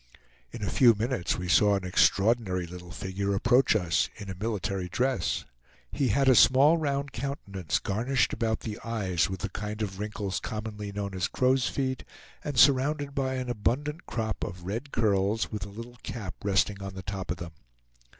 In a few minutes we saw an extraordinary little figure approach us in a military dress. He had a small, round countenance, garnished about the eyes with the kind of wrinkles commonly known as crow's feet and surrounded by an abundant crop of red curls, with a little cap resting on the top of them.